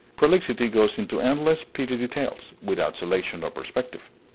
Prolixity goes into endless petty details, without selection or perspective.